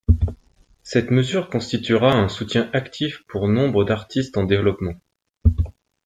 Cette mesure constituera un soutien actif pour nombre d’artistes en développement.